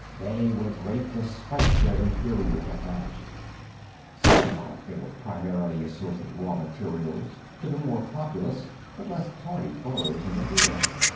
They were great despite their inferior technology. So what if they were primarily a source of raw materials to the more populous but less hardy burrows in the rear?